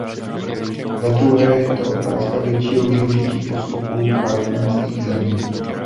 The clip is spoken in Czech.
Zadruhé je tu otázka většího využití postupů partnerských zemí.